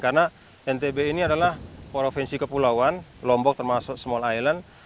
karena ntb ini adalah provinsi kepulauan lombok termasuk small island